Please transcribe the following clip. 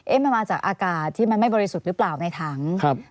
มันมาจากอากาศที่มันไม่บริสุทธิ์หรือเปล่าในถังครับ